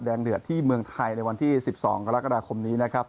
เดือดที่เมืองไทยในวันที่๑๒กรกฎาคมนี้นะครับ